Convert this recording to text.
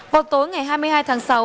vào tối ngày hai mươi hai tháng sáu